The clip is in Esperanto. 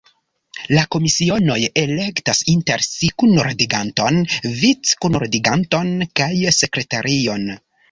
La komisionoj elektas inter si kunordiganton, vic-kunordiganton kaj sekretarion.